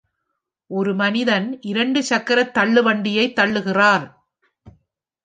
ஒரு மனிதன் இரண்டு சக்கரத் தள்ளுவண்டியைத் தள்ளுகிறார்